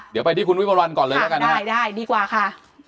เดี๋ยวไปที่คุณวิมวลวันก่อนเลยแล้วกันนะใช่ได้ดีกว่าค่ะ